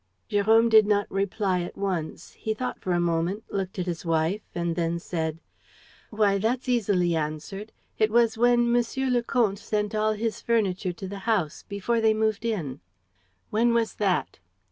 Jérôme did not reply at once. He thought for a moment, looked at his wife, and then said: "Why, that's easily answered. It was when Monsieur le Comte sent all his furniture to the house ... before they moved in." "When was that?"